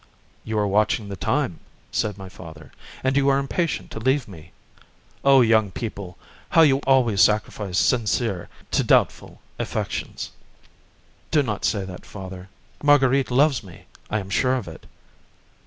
"You are watching the time," said my father, "and you are impatient to leave me. O young people, how you always sacrifice sincere to doubtful affections!" "Do not say that, father; Marguerite loves me, I am sure of it."